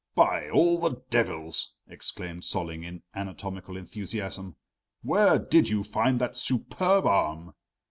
"By all the devils," exclaimed Solling in anatomical enthusiasm, "where did you find that superb arm?